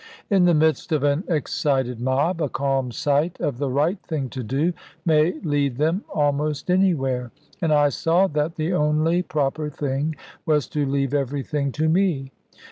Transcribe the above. In the midst of an excited mob, a calm sight of the right thing to do may lead them almost anywhere. And I saw that the only proper thing was to leave everything to me.